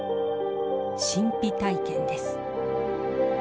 神秘体験です。